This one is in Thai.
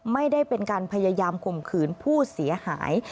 ไม่ได้เป็นการพยายามข่มขืนผู้เสียหาย